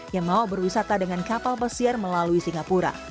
yang mau berwisata dengan kapal pesiar melalui singapura